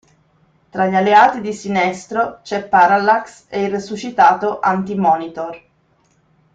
Tra gli alleati di Sinestro c'è Parallax e il resuscitato Anti-Monitor.